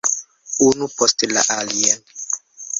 Unu post la alia.